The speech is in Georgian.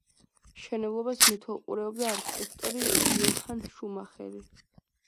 მშენებლობას მეთვალყურეობდა არქიტექტორი იოჰან შუმახერი.